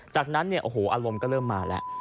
จากนั้นเนี่ยโอ้โหอารมณ์ก็เริ่มมาแล้ว